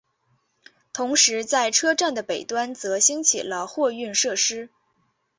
同时在车站的北端则兴起了货运设施。